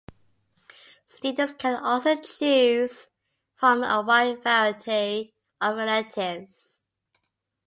Students can also choose from a wide variety of electives.